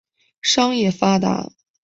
商业发达。